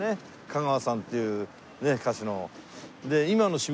佳山さんっていう歌手の。